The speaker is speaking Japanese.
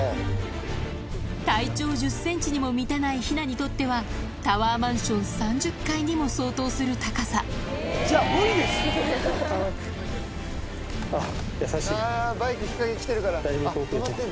体長１０ｃｍにも満たないヒナにとってはタワーマンション３０階にも相当する高さ行け行け行け行け。